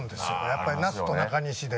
やっぱり那須と中西で。